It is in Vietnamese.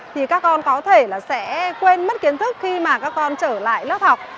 thì các con có thể là sẽ quên mất kiến thức khi mà các con trở lại lớp học